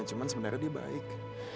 cuma sebenarnya dia baik